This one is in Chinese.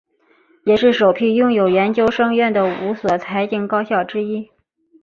也是首批拥有研究生院的五所财经高校之一。